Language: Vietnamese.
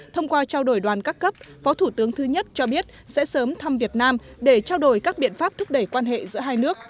thông qua trao đổi đoàn các cấp phó thủ tướng thứ nhất cho biết sẽ sớm thăm việt nam để trao đổi các biện pháp thúc đẩy quan hệ giữa hai nước